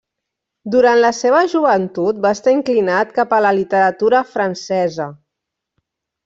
Durant la seva joventut va estar inclinat cap a la literatura francesa.